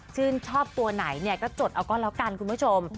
ชื่นชอบตัวไหนเนี่ยก็จดเอาก็แล้วกันคุณผู้ชม